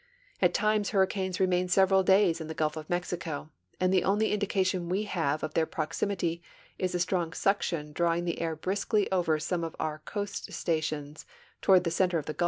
At times hurricanes remain several days in the Gulf of Mexico, and the only indication we have of their proximity is a strong suction drawing the air briskly OA'er some of our coast stations toward the center of the Gulf.